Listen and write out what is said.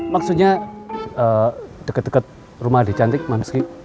maksudnya deket deket rumah adik cantik mamski